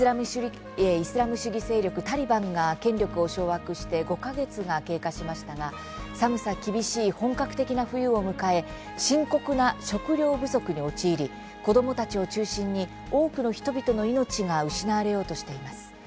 イスラム主義勢力、タリバンが権力を掌握して５か月が経過しましたが寒さ厳しい本格的な冬を迎え深刻な食料不足に陥り子どもたちを中心に多くの人々の命が失われようとしています。